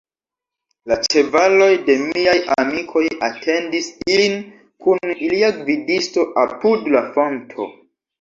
La ĉevaloj de miaj amikoj atendis ilin kun ilia gvidisto apud la fonto.